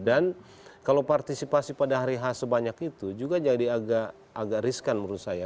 dan kalau partisipasi pada hari h sebanyak itu juga jadi agak riskan menurut saya